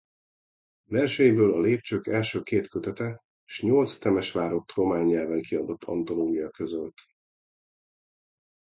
Verseiből a Lépcsők első két kötete s nyolc Temesvárott román nyelven kiadott antológia közölt.